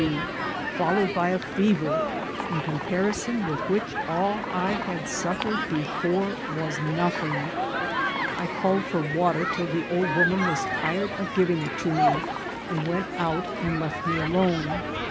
S21 ague* fdloired by a hver^ in conqpanioii with whicfa aU I had suffered before was nothing. I called for water till the old woman was tired of giving it to me, and w^QLt out and left me alone.